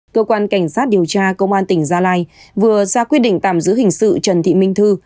cơ quan cảnh sát điều tra công an tỉnh gia lai vừa ra quyết định tạm giữ hình sự trần thị minh thư